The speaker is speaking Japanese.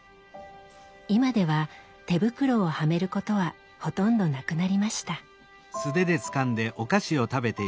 今では手袋をはめることはほとんどなくなりました。